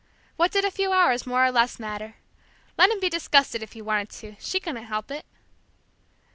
What did a few hours, more or less, matter! Let him be disgusted if he wanted to, she couldn't help it!